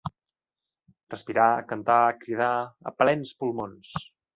Respirar, cantar, cridar, a plens pulmons.